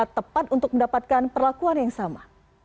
tepat untuk mendapatkan perlakuan yang sama